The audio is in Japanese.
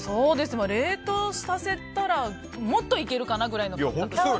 冷凍させたらもっといけるかなぐらいの感覚。